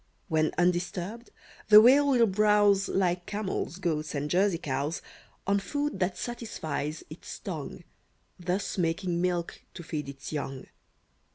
When undisturbed, the Whale will browse Like camels, goats, and Jersey cows, On food that satisfies its tongue, Thus making milk to feed its young.